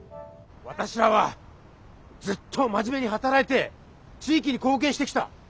私らはずっと真面目に働いて地域に貢献してきた。